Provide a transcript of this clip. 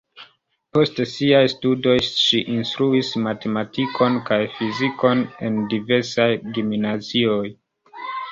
Post siaj studoj ŝi instruis matematikon kaj fizikon en diversaj gimnazioj.